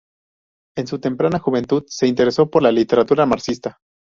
En su temprana juventud se interesó por la literatura marxista.